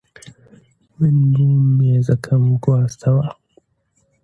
من بووم مێزەکەم گواستەوە.